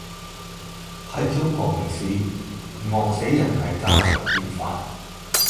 喺中國歷史，餓死人係家常便飯